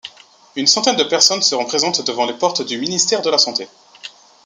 Une centaine de personnes seront présentes devant les portes du Ministère de la santé.